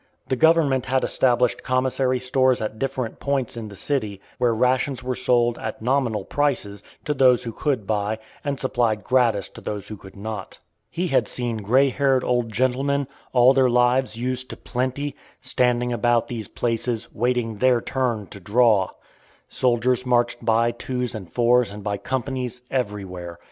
The government had established commissary stores at different points in the city, where rations were sold, at nominal prices, to those who could buy, and supplied gratis to those who could not. He had seen gray haired old gentlemen, all their lives used to plenty, standing about these places, waiting "their turn" to "draw." Soldiers marched by twos and fours and by companies, everywhere.